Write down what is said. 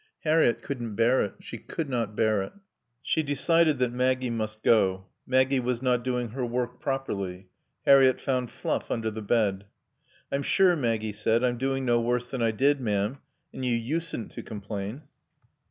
Harriett couldn't bear it. She could not bear it. She decided that Maggie must go. Maggie was not doing her work properly. Harriett found flue under the bed. "I'm sure," Maggie said, "I'm doing no worse than I did, ma'am, and you usedn't to complain."